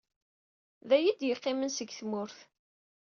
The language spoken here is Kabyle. Daya i d-yeqqimen seg tmurt.